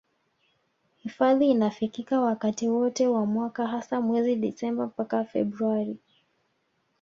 Hifadhi inafikika wakati wote wa mwaka hasa mwezi Disemba mpaka Februari